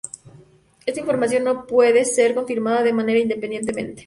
Esta información no puede ser confirmada de manera independientemente.